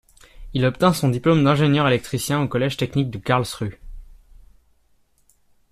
Il obtint son diplôme d'ingénieur électricien au Collège technique de Karlsruhe.